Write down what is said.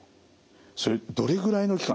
それどれぐらいの期間